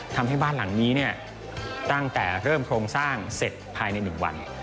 ทำให้บ้านหลังนี้ตั้งแต่เริ่มโครงสร้างเสร็จภายใน๑วัน